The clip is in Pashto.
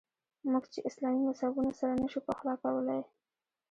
موږ چې اسلامي مذهبونه سره نه شو پخلا کولای.